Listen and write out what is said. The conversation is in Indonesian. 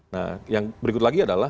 nah yang berikut lagi adalah